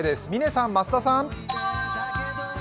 嶺さん、増田さん。